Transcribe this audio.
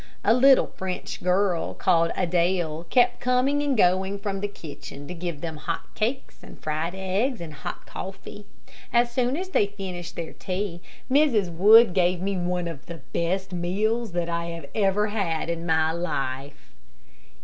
A little French girl, called Adele, kept coming and going from the kitchen to give them hot cakes, and fried eggs, and hot coffee. As soon as they finished their tea, Mrs. Wood gave me one of the best meals that I ever had in my life.